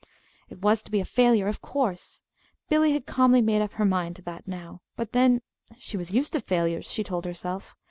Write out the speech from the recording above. It was to be a failure, of course. Billy had calmly made up her mind to that, now. But then, she was used to failures, she told herself.